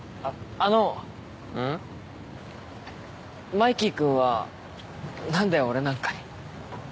マイキー君は何で俺なんかに。